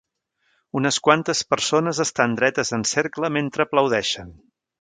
Unes quantes persones estan dretes en cercle mentre aplaudeixen.